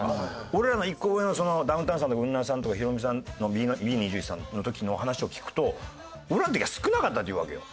俺らの１個上のダウンタウンさんとかウンナンさんとかヒロミさんのＢ２１さんの時の話を聞くと「俺らの時は少なかった」って言うわけよ。